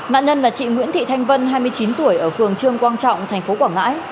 nạn nhân là chị nguyễn thị thanh vân hai mươi chín tuổi ở phường trương quang trọng tp quảng ngãi